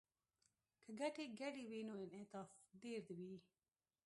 که ګټې ګډې وي نو انعطاف ډیر وي